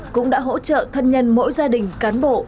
cũng đã hỗ trợ thân nhân mỗi gia đình cán bộ